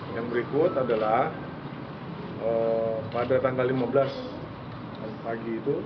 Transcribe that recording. yang berikut adalah pada tanggal lima belas pagi itu